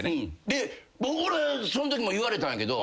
そんときも言われたんやけど。